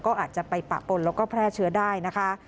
ก็อาจจะไปปะปนแล้วก็แพร่เชื้อได้นะคะ